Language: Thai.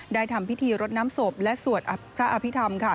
ทำพิธีรดน้ำศพและสวดพระอภิษฐรรมค่ะ